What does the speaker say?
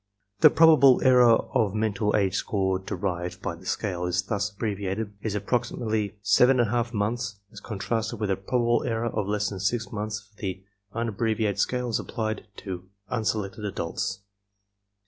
The probable error of a mental age score derived by the scale as thus abbreviated is approximately 7J^ months, as contrasted with a probable error of less than 6 months for the unabbre viated scale as applied to unselected adults.